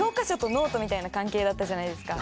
みたいな関係だったじゃないですか。